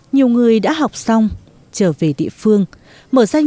nhiều người đã học xong trở về địa phương mở ra những cơ sở sản xuất chanh giấy cuộn